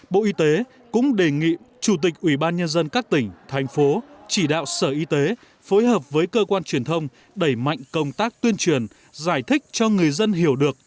bộ y tế cũng đề nghị chủ tịch ubnd các tỉnh thành phố chỉ đạo sở y tế phối hợp với cơ quan truyền thông đẩy mạnh công tác tuyên truyền giải thích cho người dân hiểu được